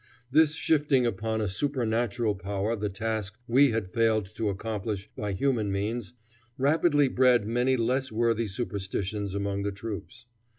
This shifting upon a supernatural power the task we had failed to accomplish by human means rapidly bred many less worthy superstitions among the troops.